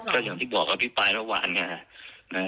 ก็อย่างที่บอกกับพี่ปลาณนั่นเวลาครั้งนี้